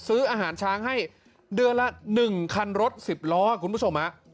ซื้ออาหารช้างให้เดือนละ๑คันรถ๑๐ล้อคุณผู้ชมฮะ